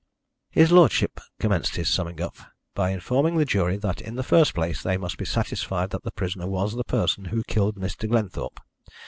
His lordship commenced his summing up by informing the jury that in the first place they must be satisfied that the prisoner was the person who killed Mr. Glenthorpe.